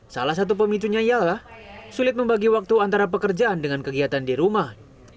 salah satu pemicunya ialah sulit membagi waktu antara pekerjaan dengan kegiatan di rumah